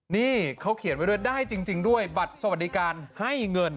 นี่เขาเขียนไว้ด้วยได้จริงด้วยบัตรสวัสดิการให้เงิน